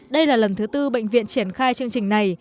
đây là lần thứ tư bệnh viện triển khai chương trình này